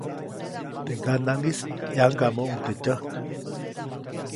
Teʼ ŋganaʼŋis ʼyaŋgamuʼuŋ teʼ tyäjk.